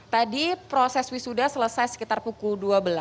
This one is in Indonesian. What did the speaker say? tadi proses wisuda selesai sekitar pukul dua belas